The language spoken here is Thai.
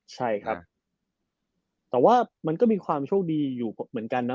ใช่ครับแต่ว่ามันก็มีความโชคดีอยู่เหมือนกันนะ